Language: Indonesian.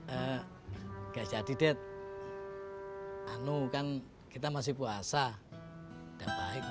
enggak jadi deh anu kan kita masih puasa udah baik